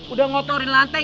udah ngotorin lantai